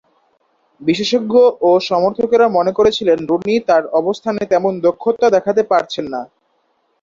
বিশেষজ্ঞ ও সমর্থকেরা মনে করেছিলেন রুনি তার অবস্থানে তেমন দক্ষতা দেখাতে পারছেন না।